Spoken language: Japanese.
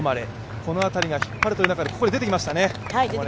この辺りが引っ張るという中で、ここでオマレ、出てきましたね。